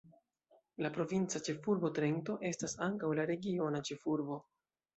La provinca ĉefurbo Trento estas ankaŭ la regiona ĉefurbo.